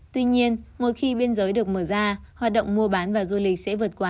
tuy nhiên một khi biên giới được mở ra hoạt động mua bán và du lịch sẽ vượt qua